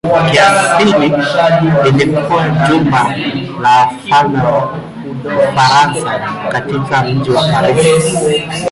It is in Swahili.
Kiasili ilikuwa jumba la wafalme wa Ufaransa katika mji wa Paris.